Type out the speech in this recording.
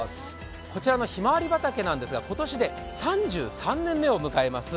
こちらのひまわり畑なんですが、今年で３３年目を迎えます